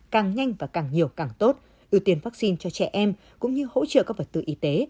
càng nhanh và càng nhiều càng tốt ưu tiên vaccine cho trẻ em cũng như hỗ trợ các vật tư y tế